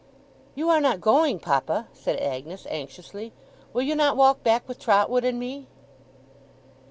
'You are not going, papa?' said Agnes, anxiously. 'Will you not walk back with Trotwood and me?